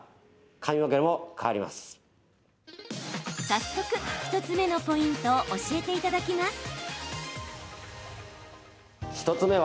早速１つ目のポイントを教えていただきます。